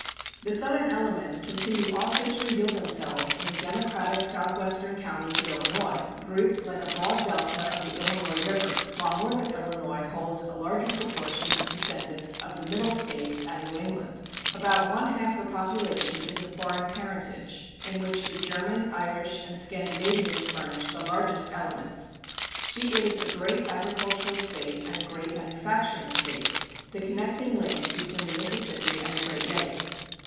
The Southern elements continue also to reveal themselves in the Democratic southwestern counties of Illinois, grouped like a broad delta of the Illinois River, while northern Illinois holds a larger proportion of descendants of the Middle States and New England. About one half her population is of foreign parentage, in which the German, Irish, and Scandinavians furnish the largest elements. She is a great agricultural State and a great manufacturing State, the connecting link between the Mississippi and the Great Lakes.